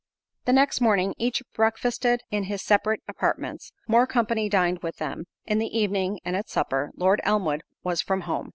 The next morning each breakfasted in his separate apartments—more company dined with them—in the evening, and at supper, Lord Elmwood was from home.